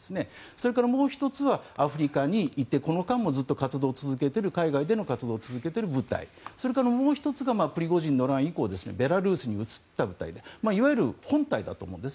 それからもう１つはアフリカにいてこの間もずっと海外での活動を続けている部隊それからもう１つがプリゴジンの乱以降ベラルーシに移った部隊でいわゆる本隊だと思うんです。